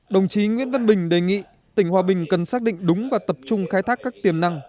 đồng chí nguyễn văn bình đề nghị tỉnh hòa bình cần xác định đúng và tập trung khai thác các tiềm năng